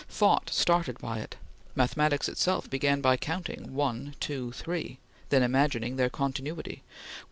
Thought started by it. Mathematics itself began by counting one two three; then imagining their continuity, which M.